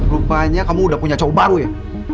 rupanya kamu udah punya cowok baru ya